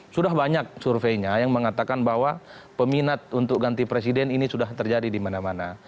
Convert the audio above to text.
sudah banyak surveinya yang mengatakan bahwa peminat untuk ganti presiden ini sudah terjadi di mana mana